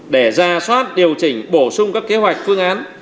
để ra soát điều chỉnh bổ sung các kế hoạch phương án